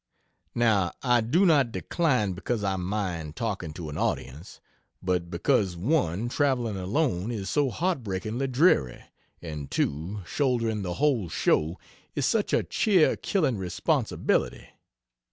Now, I do not decline because I mind talking to an audience, but because (1) traveling alone is so heartbreakingly dreary, and (2) shouldering the whole show is such a cheer killing responsibility.